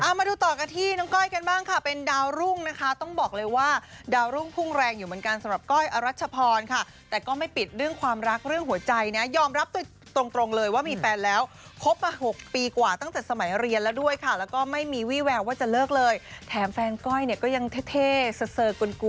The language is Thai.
มาดูต่อกันที่น้องก้อยกันบ้างค่ะเป็นดาวรุ่งนะคะต้องบอกเลยว่าดาวรุ่งพุ่งแรงอยู่เหมือนกันสำหรับก้อยอรัชพรค่ะแต่ก็ไม่ปิดเรื่องความรักเรื่องหัวใจนะยอมรับตรงตรงเลยว่ามีแฟนแล้วคบมา๖ปีกว่าตั้งแต่สมัยเรียนแล้วด้วยค่ะแล้วก็ไม่มีวี่แววว่าจะเลิกเลยแถมแฟนก้อยเนี่ยก็ยังเท่เซอร์